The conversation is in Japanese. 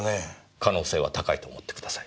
可能性は高いと思ってください。